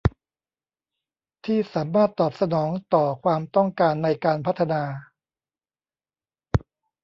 ที่สามารถตอบสนองต่อความต้องการในการพัฒนา